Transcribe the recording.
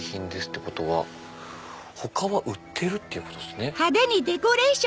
ってことは他は売ってるということですね。